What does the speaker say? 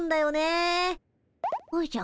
おじゃ？